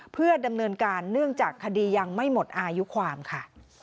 เพื่อดำเนินการเนื่องจากคดียังไม่หมดอายุความค่ะ